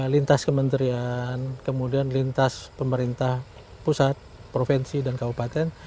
lintas kementerian kemudian lintas pemerintah pusat provinsi dan kabupaten